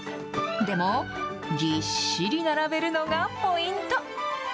でも、ぎっしり並べるのがポイント。